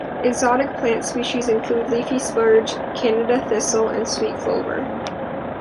Exotic plant species include leafy spurge, Canada thistle and sweet clover.